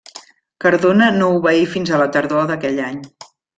Cardona no obeí fins a la tardor d'aquell any.